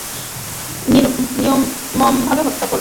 নির্মমভাবে হত্যা করবে।